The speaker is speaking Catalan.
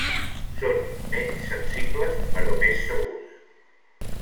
Són menys sensibles però més segurs.